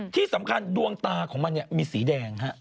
ที่สำคัญดวงตาของมันมีสีแดงฮะ